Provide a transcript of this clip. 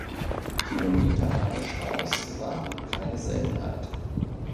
Kilometerlange Staus waren keine Seltenheit.